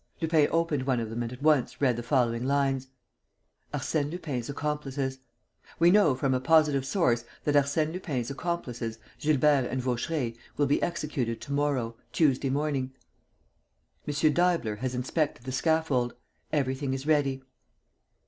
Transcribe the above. Lupin opened one of them and at once read the following lines: "ARSENE LUPIN'S ACCOMPLICES" "We know from a positive source that Arsène Lupin's accomplices, Gilbert and Vaucheray, will be executed to morrow, Tuesday, morning. M. Deibler has inspected the scaffold. Everything is ready."